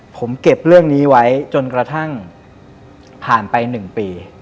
ผมเก็บเรื่องนี้ไว้จนกระทั่งผ่านไป๑ปี